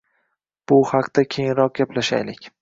Bu haqda keyinroq gaplashaylik